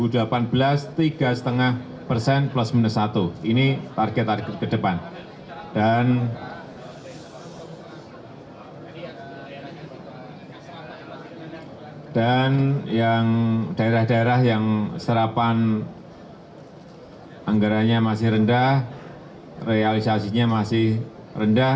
dan yang daerah daerah yang serapan anggarannya masih rendah realisasinya masih rendah